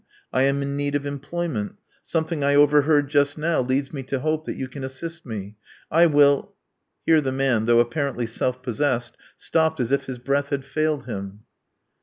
I am in need of employment. Something I overheard just now leads me to hope that you can assist me. I will" Here the man, though apparently self possessed, stopped as if his breath had failed him.